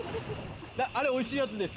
あれおいしいやつです。。